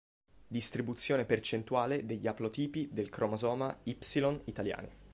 Distribuzione percentuale degli aplotipi del cromosoma Y italiani.